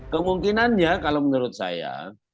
kemungkinannya kalau menurut saya